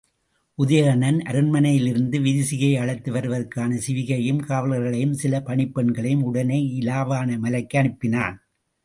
உதயணன் அரண்மனையிலிருந்து விரிசிகையை அழைத்து வருவதற்கான சிவிகையையும் காவலர்களையும் சில பணிப் பெண்களையும் உடனே இலாவாண மலைக்கு அனுப்பினான்.